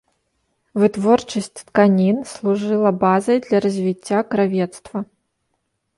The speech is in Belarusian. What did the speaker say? Вытворчасць тканін служыла базай для развіцця кравецтва.